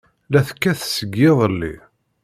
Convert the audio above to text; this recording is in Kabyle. La tekkat seg yiḍelli.